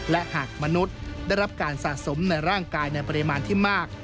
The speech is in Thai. และหากมนุษย์ได้รับการสะสมในร่างกายในปริมาณที่มาก